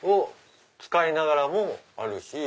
使いながらもあるし。